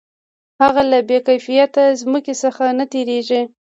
هغه له بې کفایته ځمکې څخه نه تېرېږي